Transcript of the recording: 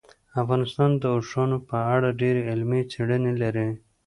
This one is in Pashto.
افغانستان د اوښانو په اړه ډېرې علمي څېړنې لري.